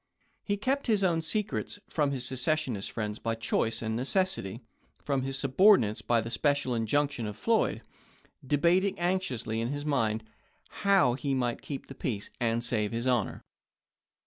He kept his own secrets, from his secession friends by choice and necessity, from his subordinates by the special injunction of Floyd; debating anxiously in his own mind how he might keep the peace and save his honor.